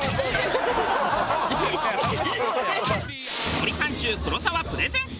森三中黒沢プレゼンツ